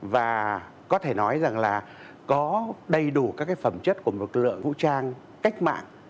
và có thể nói rằng là có đầy đủ các cái phẩm chất của một lực lượng vũ trang cách mạng